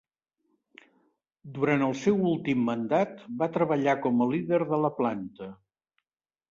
Durant el seu últim mandat, va treballar com a líder de la planta.